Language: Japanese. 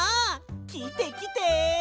きてきて！